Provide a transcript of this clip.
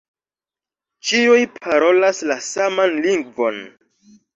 Ĉiuj parolas la saman lingvon.